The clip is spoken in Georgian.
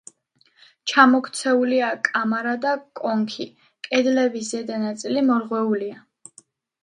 ჩამოქცეულია კამარა და კონქი; კედლების ზედა ნაწილი მორღვეულია.